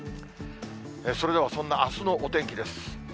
それではそんなあすのお天気です。